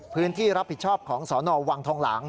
พื้นที่รับผิดชอบของสนวังทองหลัง